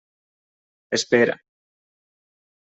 Espera.